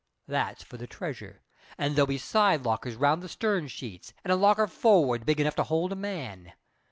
That's for the treasure; and there'll be side lockers round the stern sheets, and a locker forward big enough to hold a man.